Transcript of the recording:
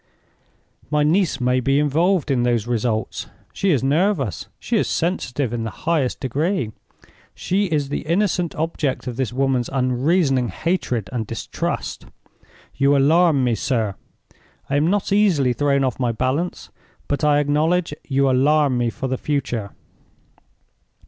My niece may be involved in those results. She is nervous; she is sensitive in the highest degree; she is the innocent object of this woman's unreasoning hatred and distrust. You alarm me, sir! I am not easily thrown off my balance, but I acknowledge you alarm me for the future."